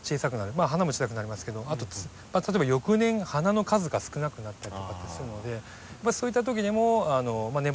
まあ花も小さくなりますけどあと例えば翌年花の数が少なくなったりとかってするのでそういった時にも根鉢のざっくりカットを。